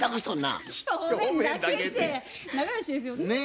仲良しですよ。ね。